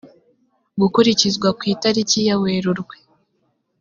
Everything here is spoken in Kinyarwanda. gukurikizwa ku itariki ya werurwe